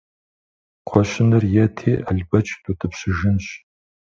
Кхъуэщыныр ети, Албэч дутӀыпщыжынщ.